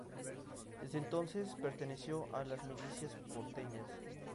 Desde entonces perteneció a las milicias porteñas.